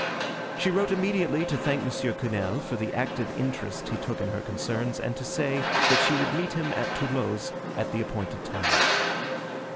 She wrote immediately to thank M. Quesnel for the active interest he took in her concerns, and to say, that she would meet him at Thoulouse at the appointed time.